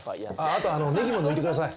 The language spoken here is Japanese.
あとあのネギも抜いてください。